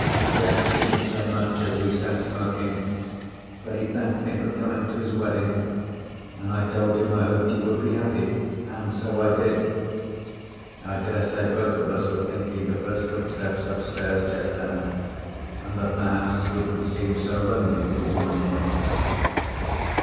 Jack didn't say much as we sat smoking, but he thanked me for coming to his wedding, and I told him I hoped he would be happy, and so I did. I daresay both of us were thinking of those footsteps upstairs, just then, and that the house wouldn't seem so lonely with a woman in it.